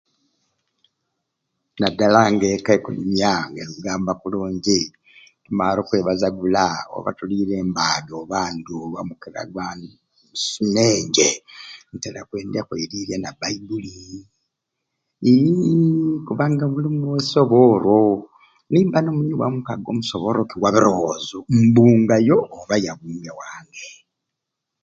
Nadala nga ekka ekunyumya nga engamba kurungi tumaare okwe bazagula awo oba tuliire mbata oba ndu owa mukira gwamwei sunenge ntera kwendya kweirirya na baibuli iiii kubanga mulimu eisoboro, nimba nomunywi wa mukago omusobooroki wabirowoozo ndumbayo oba ye agumba ewange.